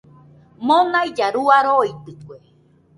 Monailla rua roitɨkue